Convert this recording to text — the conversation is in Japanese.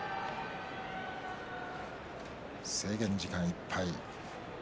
制限時間いっぱい。